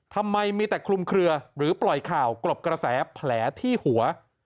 ทำไมมีแต่คลุมเคลือหรือปล่อยข่าวกลบกระแสแผลที่หัว